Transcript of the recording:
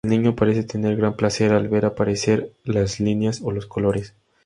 El niño parece tener gran placer al ver aparecer las líneas o los colores.